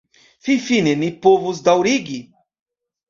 Finfine ni povos daŭrigi!